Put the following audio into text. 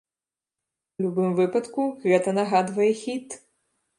У любым выпадку гэта нагадвае хіт!